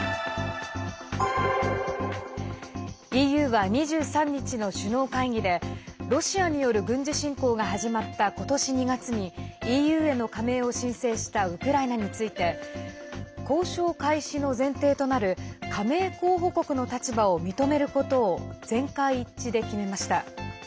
ＥＵは、２３日の首脳会議でロシアによる軍事侵攻が始まったことし２月にＥＵへの加盟を申請したウクライナについて交渉開始の前提となる加盟候補国の立場を認めることを全会一致で決めました。